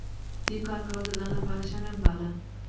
دوی کار کول د ځان لپاره شرم باله.